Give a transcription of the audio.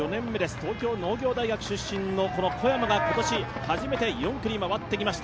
東京農業大学出身の小山が今年、初めて４区に回ってきました。